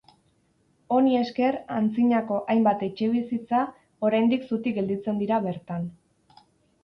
Honi esker, antzinako hainbat etxebizitza oraindik zutik gelditzen dira bertan.